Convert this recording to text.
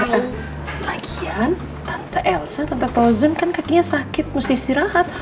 lagi lagi tante elsa tante frozen kan kakinya sakit mesti istirahat